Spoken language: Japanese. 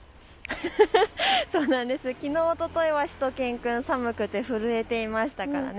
きのう、おとといはしゅと犬くん寒くて震えていましたからね。